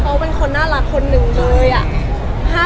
เขาเป็นคนน่ารักคนหนึ่งเลยอะ